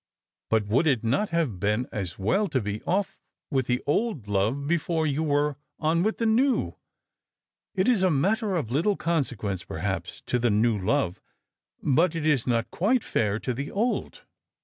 But would it not have been as well to be off with the old love before you were on with the new? It is a matter of little consequence, i:)erhap8, to the new love; but it is not quite fair to the old."